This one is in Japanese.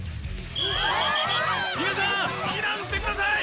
皆さん避難してください